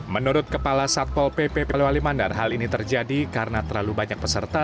menurut kepala satpol pp polewali mandar hal ini terjadi karena terlalu banyak peserta